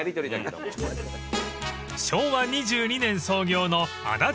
［昭和２２年創業の］